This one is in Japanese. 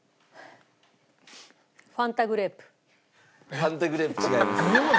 ファンタグレープ違います。